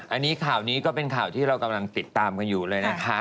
อันนี้ข่าวนี้ก็เป็นข่าวที่เรากำลังติดตามกันอยู่เลยนะคะ